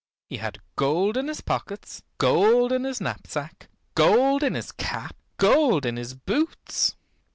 He had gold in his pockets, gold in his knapsack, gold in his cap, gold in his boots.